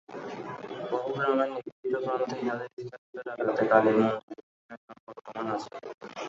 বহু গ্রামের নিভৃত প্রান্তে ইহাদের স্থাপিত ডাকাতে-কালীর মন্দিরের চিহ্ন এখনও বর্তমান আছে।